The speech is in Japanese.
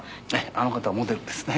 あの方はモデルですね。